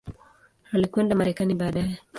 Alikwenda Marekani baadaye.